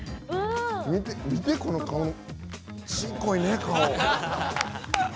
見て、このちっこいね、顔。